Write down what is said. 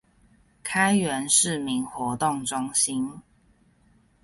開元市民活動中心